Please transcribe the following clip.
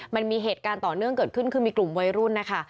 มันมีเหตุการณ์ต่อเนื่องเกิดขึ้นคือมีกลุ่มวัยรุ่นนะคะ